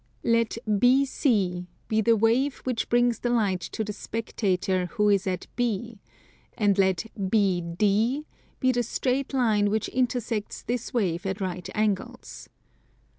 Let BC be the wave which brings the light to the spectator who is at B, and let BD be the straight line which intersects this wave at right angles.